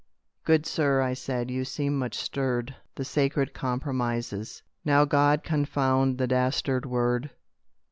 "Good Sir," I said, "you seem much stirred The sacred compromises " "Now God confound the dastard word!